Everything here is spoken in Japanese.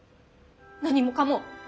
何もかも。